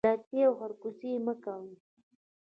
غلطي او خرکوسي مه کوئ